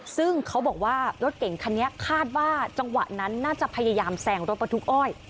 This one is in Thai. ซึ่งเขาบอกว่ารถเก่งคันนี้คาดว่าจังหวะนั้นน่าจะพยายามแซงรถบรรทุกอ้อย